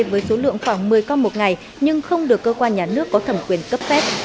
với số lượng khoảng một mươi con một ngày nhưng không được cơ quan nhà nước có thẩm quyền cấp phép